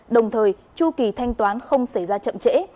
đồng thời chu kỳ thanh toán không xảy ra chậm trễ